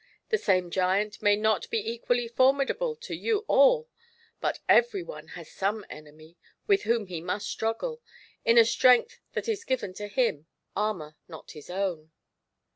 The same giant may not be equally formidable to you all, but every one has some enemy with whom he must struggle, in a strength that is given to him, armour not his own."